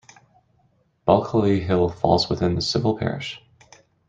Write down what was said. Bulkeley Hill falls within the civil parish.